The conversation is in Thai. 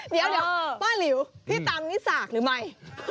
เดี๋ยวป้าหลิวพี่ตามนิสากหรือไม่